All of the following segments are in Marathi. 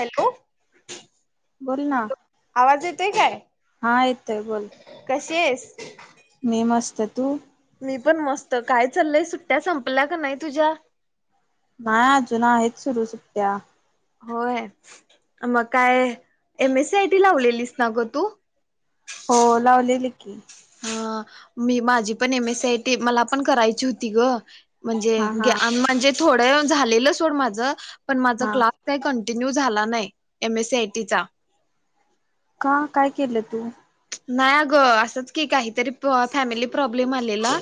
हॅलो बोल ना आवाज येतोय काय हा येतोय बोल कशी आहेस? [inaudible] मी मस्त तू? मी पण मस्त काय चालय सुट्या संपल्या काय नाही तुझ्या? नाही अजून आहेत सुरू सुट्या होय मग काय एम. एसी. आय. टी लावलेलीस ना गं तू? हो लावलेले की हा मी माझी पण एम. एस. आय. टी मला पण करायची होती गं म्हणजे हा हा म्हणजे थोडं वेळानं झालेलं सोड माझं पण माझा हा क्लास काय कन्टीनू न्यू झाला नाही एम. एसी. सी. आयटीचा का काय केलं तू नाही आगं असंच की काहीतरी फॅमिली प्रॉब्लेम आलेला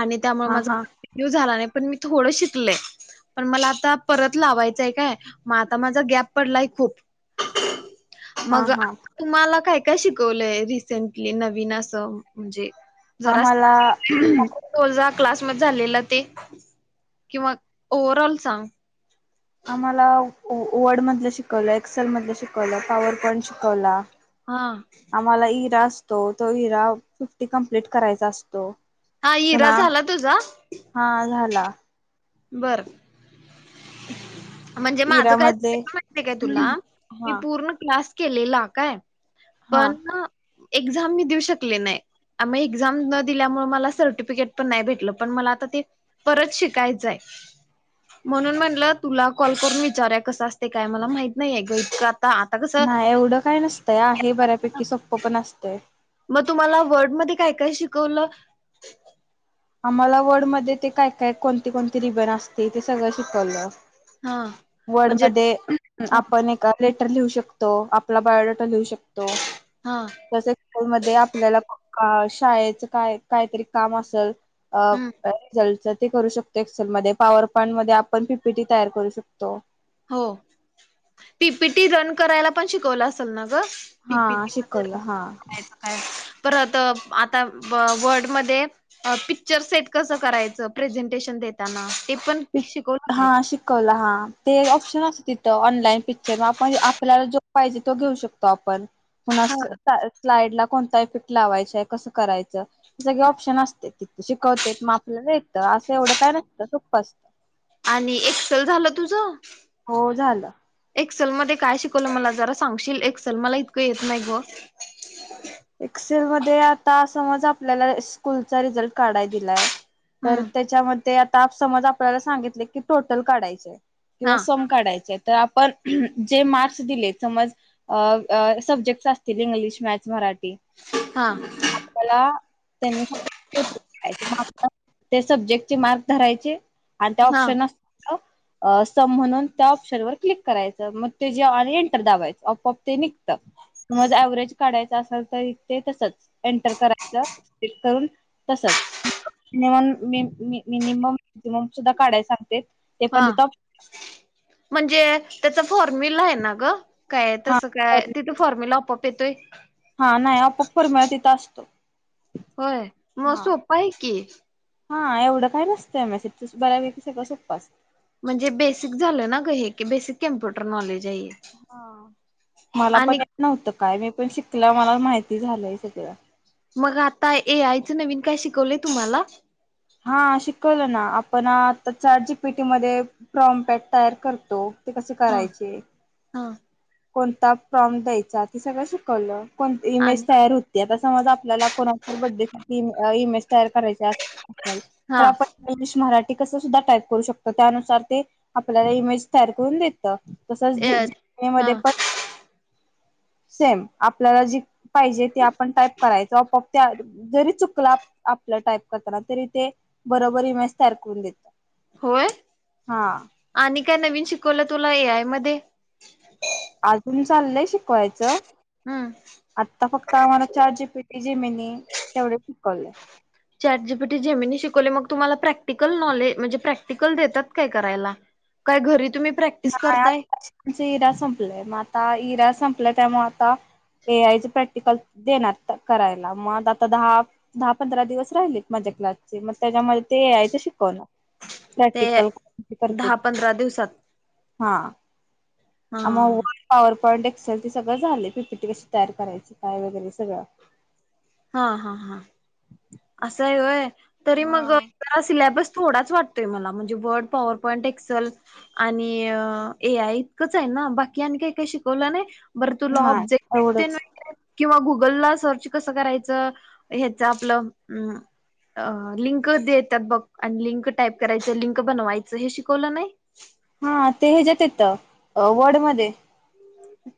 आणि त्यामुळे हा माझा हा कंटिन्यू झाला नाही. पण मी थोडं शिकले पण मला आता परत लावायचंय काय म आता माझा गॅप पडलाय खूप हा मग हा तुम्हाला काय- काय शिकवलंय रिसेंटली नवीन असं म्हणजे आम्हाला क्लास मध्ये झालेला ते किंवा, ओवर ऑल सांग. आम्हाला वर्ड मधले शिकवलं एक्सेल मधले शिकवलं पॉवर पॉइंट शिकवला. हा आम्हाला [unintelligible] तो तो हिरा फिफ्टी कंम्पलेट करायचा असतो. हा हिरा पुन्हा झाला तुझा? हा झाला बरं म्हणजे माझं काय इरामध्ये [unintelligible] काय तुला हा पूर्ण क्लास केलेला काय हा पण ना एक्झाम मी देऊ शकले नाही, आम्ही एक्झाम न दिल्यामुळे मला सर्टिफिकेट पण नाही भेटलं, पण मला आता ते परत शिकायचंय. म्हणून म्हटलं तुला कॉल करून विचारूया कसं असते, काय मला माहित नाहीय ग. आता कसं नाही एवढं काय नसतंय आहे बऱ्या पैकी सोप्प पण असतंय. तुला वर्ड मध्ये काय- काय शिकवल. आम्हाला वर्ड मध्ये ते काय- काय कोणती- कोणती रिबन असती ते सगळं शिकवलं. हा वर्ड म्हणजे मध्ये हा आपण [unintelligible] लिहू शकतो. आपला बायो लिहू शकतो. हा तसेच [unintelligible] आपल्याला शाळेच काय -काय तरी काम असेल. [unintelligible] हम्म ते करू शकतो, एक्सेलमध्ये पॉवर पॉईंट मध्ये आपण पीपीटी तयार करू शकतो. हो पीपीटी रन करायला पण शिकवलं असेल ना. हा पीपीटी शिकवलं हा. [unintelligible] परत आता वर्ल्डमध्येध पिक्चर सेट कसं करायचं प्रेझेंटेशन देताना. ते पण शिकवलं काय हा शिकवला हा ते [unintelligible] तिथं ऑनलाईन पिक्चर आपण आपल्याला जो पाहिजे तो घेऊ शकतो. आपण हा [unintelligible] स्लाइड कोणता इफेक्ट लावायचाय, कसं करायचं हे सगळे ऑप्शन असत्यात तिथं शिकवते आपल्याला येतं असं एवढं काय नसतं सोप्प असत. आणि एक्सेल झालं तुझं. हो झालं एक्सेल मध्ये काय शिकवलं मला जरा सांगशील एक्सेल मला इतकं येत नाही ग. एक्सेल मध्ये आता समज आपल्याला स्कूलचा रिझल्ट काढाय दिलाय. तर हम्म त्याच्यामध्ये ते आता समज आपल्याला सांगितले की टोटल काढायची. किंवा हा सम काढायचं. तर आपण जे मार्क्स दिलेत समज सब्जेक्ट असतील इंग्लिश, मॅथ्स, मराठी ते हा आपल्या त्यांनी [unintelligible] ते सब्जेक्टचे मार्क धरायचे? आणि त्या हा ऑप्शन असत. आस म्हणून त्या ऑप्शन वर क्लिक करायचं, मग ते जे एंटर दावायचं, अप अप ते निघतं, म व्हरेज काढायचं असेल तर ते तसच एंटर करायचं सले [unintelligible] करून तसचम मिनिमम मॅक्सिमम सुद्धा काढाय सांगते. ते पण हा तिथं म्हणजे. त्याच. फॉर्म्युला आहे. ना ग काय हा तसं काय तिथे फॉर्म्युला आपप येतोय. हा नाही आपोआप फॉर्म्युला तिथं असतो होय मग हा सोपा आहे की. हा एवढं काय नसतंय, मेसे त बऱ्या विक सगळ सोपपास. म्हणजे बेसिक झालं ना ग हे की, बेसिक कम्प्युटर नॉलेज. आहे हे. हा मला पण आणि येत नव्हत काय मी पण शिकला मला माहिती झालंय सगळं. मग आता ए आयचं नवीन काय, शिकवलंय तुम्हाला? हा शिकवलं ना आपण आता चॅट जी पी टी मध्ये प्रॉमपॅट तयार करतो. ते कसे हा करायचे? हा कोणता प्रॉम द्यायचा ते सगळं शिकवलं? ण इमेज आणि तयार होत्या आता, समज आपल्याला कोणचा तरी बर्थडे साठी इमेज. तयरा करायचं असत्यात आपल्याला हा तर आपण इंग्लिश, मराठी ते कस सुद्धा टाईप करू शकतो, त्यानुसार ते आपल्याला इमेज तयार करून देत त तसंच ए जी जी हा मध्ये सेम आपल्याला जी पाहिजे ते आपण टाईप करायचो आप त्या जरी चुकला आपलं टाईप करताना, तरी ते बरोबर इमेज तयार करून देत. होय, हा आणि काय नवीन शिकवलं? तुला ए आय मध्ये अजून चाललंय शिक कवायचं हम्म आता फक्त आम्हाला chat G P T, Gemini तेवढ शिकवले. Chat G P T, Gemini शिकवले मग तुम्हाला, प्रॅक्टिकल नॉले म्हणजे प्रॅक्टिकल देतात, काय करायला काय घरी तुम्ही प्रॅक्टिस नाही करताय? आत्ताच [unintelligible] हिरा संपलाय मग आता हिरा संपला त्यामुळे आता, ए आयच प्रॅक्टिकल देणार करायला मग आता दहा, दहा, पंधरा, दिवस राहिलेत माझ्या क्लासचे, मग त्याच्यामध्ये ते ए आयच शिकवणार. ते प्रॅक्टिकल करते. दहा पंधरा दिवसात हा. हा [unintelligible] पॉंट एक्सेल ते सगळं झालय. पी पी टी कशी तयार करायची काय वगैरे सगळं. हा हा हा. असं आहे होय. तरी मग हा सिलेबस थोडाच वा ते मला म्हणजे वर्ड, पॉवर, पॉईंट, एक्सेल आणि ए आय इतकंच आहे ना बाकी काही काही शिकवलं नाही. बरं तुला नाही ऑब्जेक्टिव तेन एवढंच वगैरे किंवा गुगल ला सर्च कसं करायचं ह्याच आपलं अ लिंक देतात बघ आणि लिंक टाईप करायचं, लिंक बनवायचं हे शिकवलं नाही. त वर्ड मध्ये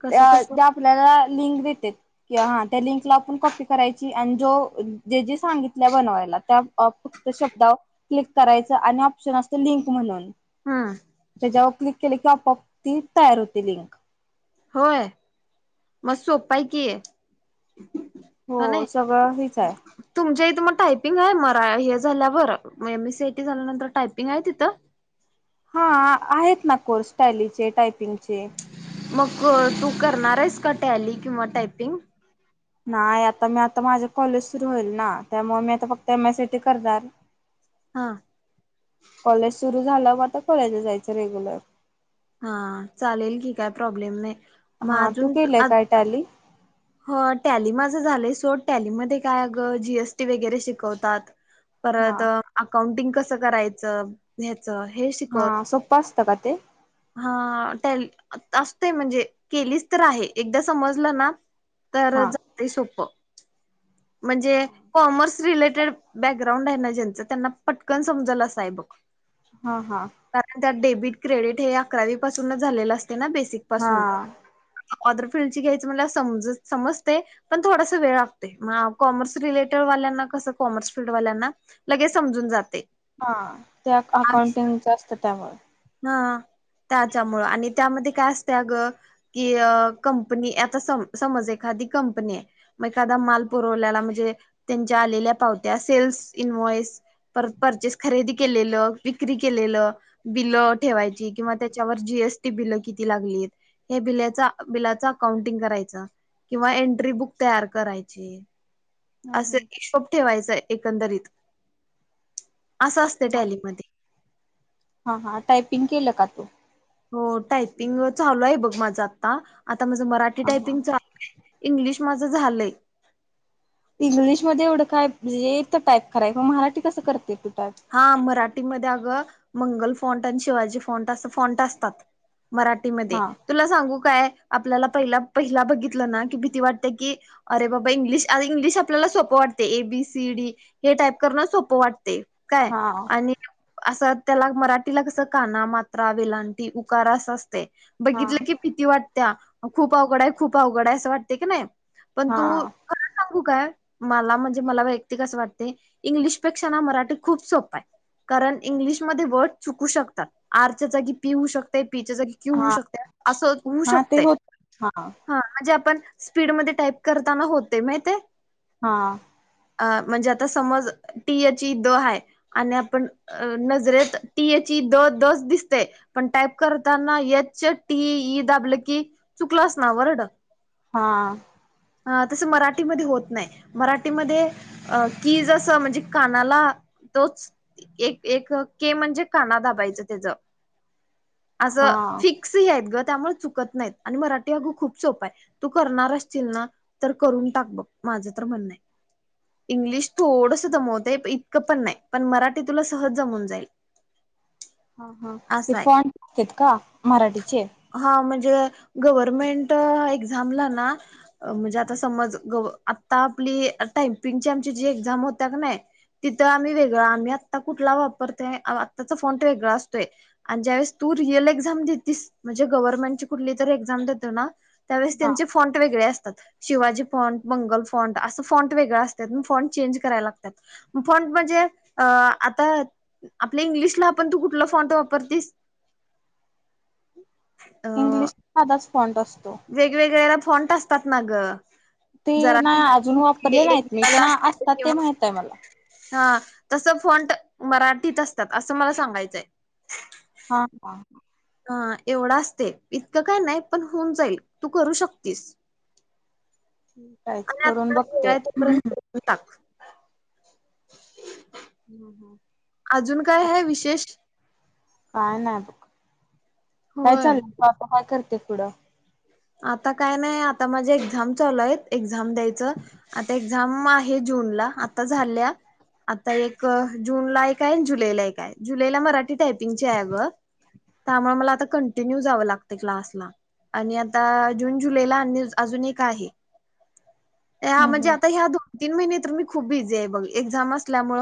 कसं त्या कसं त्या आपल्याला लिंक दे कि हा त्या लिंकला आपण कॉपी करायची. आणि जो जे जे सांगितल्या बनवायला त्या फक्त शब्दा क्लिक करायच आणि ऑप्शन असत लिंक म्हणून. हम्म त्याच्यावर क्लिक केलं किं मग ती तयार होते लिंक. होय, मग सोप आहे की. हो ह नाही सगळं हेच आहे. तुमच्या इथं मग टायपिंग आहे म हे झाल्यावर एमसीआयटी झाल्यानंतर टायपिंग आहे तिथं हा आहेत ना कोर्स टॅलीचे, टायपिंगचे मग तू करणार आहेस का टॅली किंवा टायपिंग नाही आता मी आता माझे कॉलेज सुरू होईल ना त्यामुळे मी आता फक्त M S C I T करणार. हा कॉलेज सुरु झाल्या वर मग आता कॉलेजला जायचं रेग्युलर हा चालेल की काय प्रॉब्लेम नाही. हा तू केलंय काय टॅली? ह टॅली माझं झालंय सोड टॅलीमध्ये काय अग जीएसटी वगैरे शिकवतात. हा परत अकाउंटिंग कस कस करायचं? हे शिकव हा सोपं असतं का ते? हा टॅली असतय म्हणजे केलीच तर आहे एकदा समजलं ना तर हां जातय सोप म्हणजे कॉमर्स रिलेटेड बॅग [unintelligible] आहे ना ज्यांचं त्यांना पटकन समजल अस आहे बघ हां हां कारण त्यात बीट क्रेडीट हे अकरावी पासूनच झालेलं असते. ते ना बेसिक पासून हां ऑदरफिल्ड ची घ्यायचं मला समज समजते पण थोडासा वेळ लागतोय. मग कॉमर्स रिलेटेड वाल्यांना कसं कॉमर्स फील्ड वाल्यांना लगेच समजून जातय. हा त्या अकाउंटिंगच असतं त्यामुळे हा त्याच्यामुळं आणि त्यामध्ये काय असत अ ग की कंपनी आता स समज एखादी कंपनी आहे मग एखादा माल पुरवल्याला म्हणजे त्यांच्या आलेल्या पावत्या सेल्स इनवॉइस पर परचेस खरेदी केलेलं विक्री केलेलं ब ठेवायची किंवा त्याच्या जीएसटी ब किती लागली बला अकाउंटिंग करायच किंवा एट्री बुक तयार कराय हं असं हं हिशोब ठेवायचंय एकंदरीत असं असतं डलीमध्ये हा हा टायपिंग केलं का तू हो टायपिंग चालू आहे बघ माझं आता आता माझं मराठी हां हां टायपिंग च इंग्लिश माझ झालंय इंग्लिशमध्येध्ये एवढं काय म्हणजे तर टाईप कराय म मराठी कसं करते तू टाईप हा मराठीमध्ये अगं मंगल फोंट आणि शिवाजी फोंट अस फॉंट असतात मराठीमध्ये हां तुला सांगू काय आपल्याला पहि पहिला बघितलं ना कि भीती वाटते की अरे बाबा इंग्लिश अरे इंग्लिश आपल्याला सोपं वाटते एबीसीडी हे टाईप करणं सोपं वाटते. काय हां आणि असं त्याला मराठीला कस काना मात्रा वेलांटी उकार अस असत बघितल हां की भीती वाट त्या खूप अवघड आहे खूप अवघड आहे असं वाटत की नाही पण तू हां खरं सांगू काय. मला म्हणजे मला वैयक्तिक अस वाटते इंग्लिशपेक्षा ना मराठी खूप सोप आहे कारण इंग्लिशमध्ये वर्ड चुकू शकतात आरच्या जागी पी होऊ शकत पी च्या जागी किऊ होऊ हां शक अस होऊ हां शकत ते होत हां ह म्हणजे आपण स्पीडमध्ये टाईप करताना होते माहिते. हा. अ म्हणजे आता समज टी याची द आहे. आणि आपण नजरेत टी एच द दच दिसतेय पण टाईप करताना यच टी ई दाबले की चुकलं अस ना वर्ड हा. अ तसं मराठीमध्ये होत नाही मराठीमध्ये की जसं म्हणजे कानाला तोच एक एक के म्हणजे काना दाबायचं त्याच असं हां फिक्स ह आहेत ग त्यामुळे चुकत नाहीत आणि मराठी अग खूप सोपा आहे तू करणार असचील ना तर करून टाक बग माझ तर म्हणणं हाय इंग्लिश थोडंसं दमवत आहे पण नाही पण मराठी तुला सहज जमून जाईल. हा हा ते असं आहे फॉन [unintelligible] का मराठीचे गवरमेंट एक्साम ला ना म्हणजे आता समज आता आपली टायपिंग आमची एक्साम होतेय की नाही तिथं आम्ही वेगळां आम्ही आता कुठला वापरतोय आताचा फॉं ट वेगळा असतोय आणि ज्यावेळेस तू रिअल एक्झाम देतेस म्हणजे गव्हर्नमेंटची कुटली तरी एक्झाम देतो ना त्यावेळेस हां त्यांचे फॉंट वेगळे असतात. शिवाजी फॉंट मंगल फॉन्ट असं फॉंट वेगळं असतात फॉंट चेंज करायला लागतात. फोंट म्हणजे अ आता आपल्या इंग्लिशला आपण तू कुठला फॉंट वापरतीस. इंग्लिश [unintelligible] फॉन्ट अस वेगवेगळ्या फोंट असतात ना ग ते जरा नाही अजून वापरले नाहीत मी पण असतात ते माहित आहे मला. तसं फॉंट मराठीत असतात असं मला सांगायचंय. हा हा ह एवढं असते इतकं काय नाही पण होऊन जाईल तू करू शकतेस. [unintelligible] आहेच करून बघते. आहे तोपर्यंत करून टाक हम्म हम्. अजून काय ह विशेष काय नाही बघ काय होय चाललं तू आता हय कर तेकडा आता काय नाही आता माझ्या एक्झाम चालू आहे झाब द्यायचं आता एक झाम आहे जूनला आता झाल्या आता एक जूनला एक जुलैला एक आहे जुलैला मराठी टायपिंगची आहे ग त्यामुळे मला आ कंटिन्यूव लागत क्लासला आ जून जुलैला अजून एक आहे ह्या हम् म्हणजे हम आता ह्या दोन तीन महिने तर मी खूप बिझी आहे बघ एक्झाम असल्यामुळ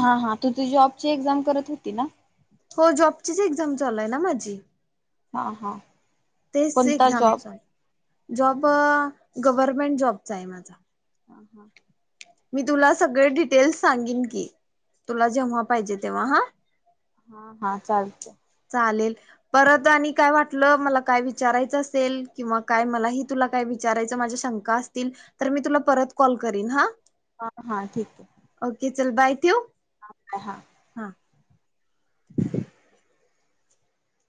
हा हा तू त जॉबची एक्झाम करत होती ना हो जॉबचीच एक्झाम चालाय ना माझी हा हा तेच कोणता एक्झाम जॉब चालू जॉब गव्हर्मेंट जॉबचा आहे माझा हम हा मी तुला सगळे डिटेल्स सांगेन की तुला जेव्हा पाहिजे तेव्हा हा हा हा चालते त मला काय विचारायचं असेल किंवा काय मलाही तुला काय विचारायचं माझ्या शंका असतील तर मी तुला परत कॉल करीन हा हा हा ठीक आहे ओके चल बायथो ह हा हा ह